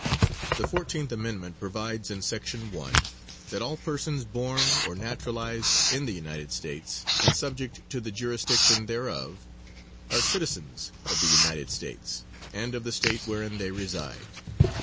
The 14th amendment provides in section one, that all persons born or naturalized in the United States and subject to the jurisdiction thereof, are citizens of the United States, and of the State wherein they reside.